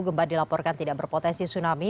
gempa dilaporkan tidak berpotensi tsunami